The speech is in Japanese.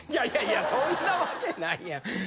いやいやそんなわけないやん。